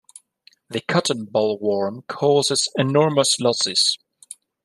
The cotton bollworm causes enormous losses.